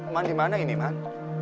man dimana ini man